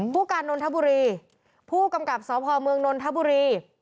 การนนทบุรีผู้กำกับสพเมืองนนทบุรี